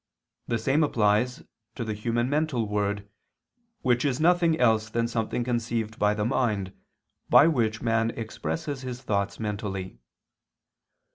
The same applies to the human mental word, which is nothing else than something conceived by the mind, by which man expresses his thoughts mentally.